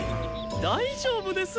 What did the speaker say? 大丈夫です。